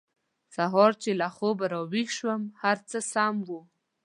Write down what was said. سهار چې له خوبه راویښ شوم هر څه سم وو